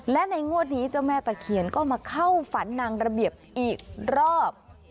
และในงวดนี้เจ้าแม่ตะเคียนก็มาเข้าฝันนางระเบียบอีกรอบ